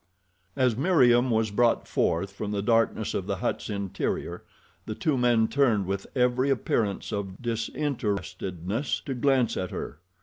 As Meriem was brought forth from the darkness of the hut's interior the two men turned with every appearance of disinterestedness to glance at her.